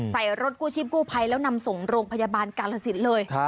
ใส่รถกู้ชีพกู้ภัยแล้วนำส่งโรงพยาบาลกาลสินเลย